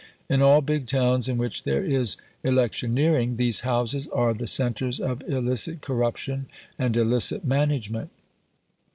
In all big towns in which there is electioneering these houses are the centres of illicit corruption and illicit management.